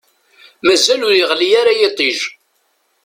Mazal ur yeɣli ara yiṭij.